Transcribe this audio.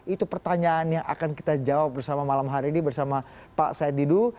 itu pertanyaan yang akan kita jawab bersama malam hari ini bersama pak said didu